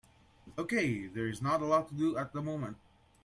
Okay, there is not a lot to do at the moment.